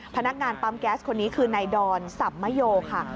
พนักงานปั๊มแก๊สคนนี้คือนายดอนสับมโยค่ะ